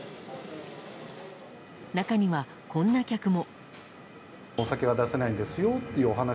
中には、こんな客も。